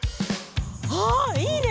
ああいいね！